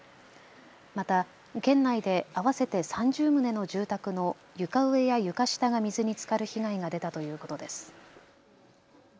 また県内で合わせて３０棟の住宅の床上や床下が水につかる被害が出たということです。